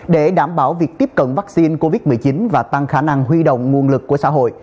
để đảm bảo việc tiếp cận vaccine covid một mươi chín và tăng khả năng huy động nguồn lực của xã hội